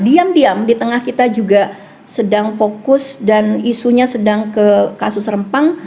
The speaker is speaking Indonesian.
diam diam di tengah kita juga sedang fokus dan isunya sedang ke kasus rempang